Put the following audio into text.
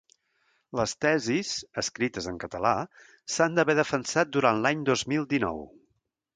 Les tesis, escrites en català, s'han d'haver defensat durant l'any dos mil dinou.